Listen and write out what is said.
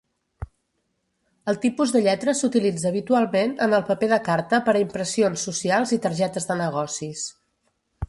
El tipus de lletra s'utilitza habitualment en el paper de carta per a impressions socials i targetes de negocis.